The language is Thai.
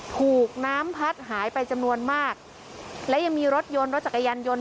ถูกน้ำพัดหายไปจำนวนมากและยังมีรถยนต์รถจักรยานยนต์